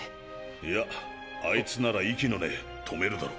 いやあいつなら息の根止めるだろ。